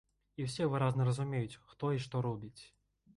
І ўсе выразна разумеюць, хто і што робіць.